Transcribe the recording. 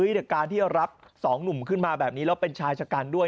ในการที่รับสองหนุ่มขึ้นมาแบบนี้แล้วเป็นชายชะกันด้วย